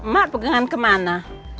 mak pegangan kemana